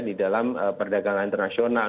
di dalam perdagangan internasional